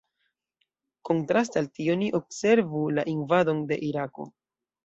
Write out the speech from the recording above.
Kontraste al tio, ni observu la invadon de Irako.